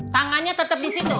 tangannya tetap di situ